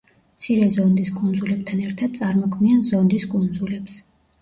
მცირე ზონდის კუნძულებთან ერთად წარმოქმნიან ზონდის კუნძულებს.